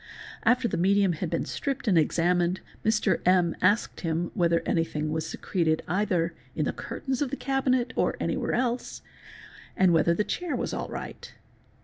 After the medium had been stripped and examined, Mr. M., asked him whether _ anything was secreted either in the curtains of the cabinet or anywhere else, and whether the chair was all right.